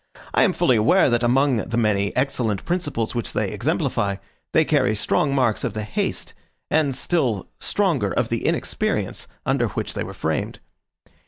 I am fully aware that among the many excellent principles which they exemplify, they carry strong marks of the haste, and still stronger of the inexperience, under which they were framed.